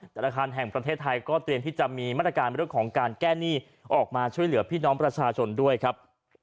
ธนาคารแห่งประเทศไทยก็เตรียมที่จะมีมาตรการเรื่องของการแก้หนี้ออกมาช่วยเหลือพี่น้องประชาชนด้วยครับ